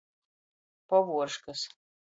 Povuorškys.